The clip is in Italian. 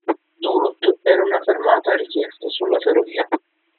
Duluth era una fermata a richiesta sulla ferrovia.